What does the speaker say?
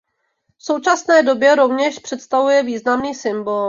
V současné době rovněž představuje významný symbol.